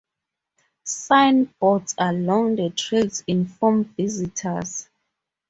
Signboards along the trails inform visitors.